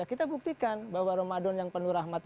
kita buktikan bahwa ramadan yang penuh rahmat